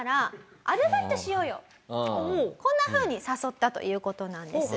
こんなふうに誘ったという事なんです。